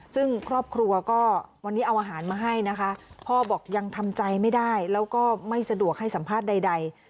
ซึ่งครอบครัวก็วันนี้เอาอาหารมาให้นะคะพ่อบอกยังทำใจไม่ได้แล้วก็ไม่สะดวกให้สัมภาษณ์ใด